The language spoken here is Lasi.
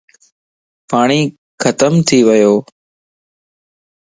پاٽي ختم ٿي ويو.